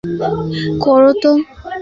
রিক, বড় করো তো।